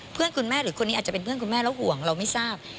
เพื่อนคุณแม่หรือคนนี้อาจจะเป็นเพื่อนคุณแม่แล้วห่วงเราไม่ทราบ